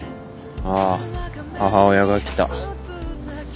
あー母親が来た。